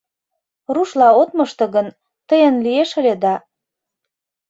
Рушла от мошто гын, тыйын лиеш ыле да...